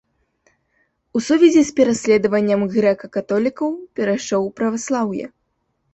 У сувязі з пераследаваннем грэка-католікаў перайшоў у праваслаўе.